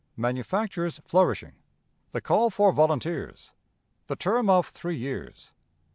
Manufactures flourishing. The Call for Volunteers. The Term of Three Years.